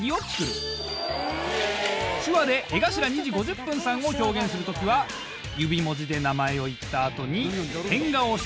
手話で江頭２：５０さんを表現する時は指文字で名前を言った後に。